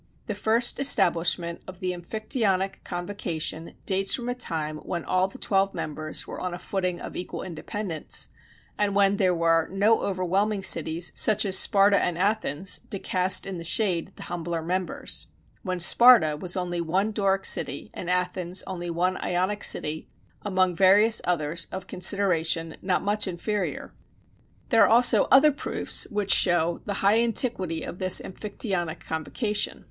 The first establishment of the Amphictyonic convocation dates from a time when all the twelve members were on a footing of equal independence, and when there were no overwhelming cities such as Sparta and Athens to cast in the shade the humbler members; when Sparta was only one Doric city, and Athens only one Ionic city, among various others of consideration not much inferior. There are also other proofs which show the high antiquity of this Amphictyonic convocation.